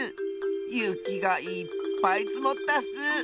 ゆきがいっぱいつもったッス！